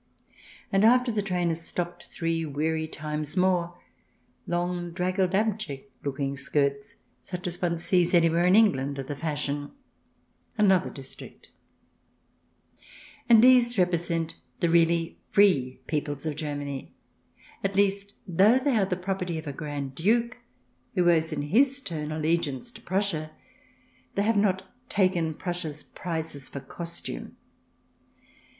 And after the train has stopped three weary times more, long, draggled, abject looking skirts, such as one sees anywhere in England, are the fashion. Another district — and these represent the really free peoples of Germany. At least, though they are the property of a Grand Duke, who owes in his turn allegiance to Prussia, they have not taken Prussia's prizes for costume.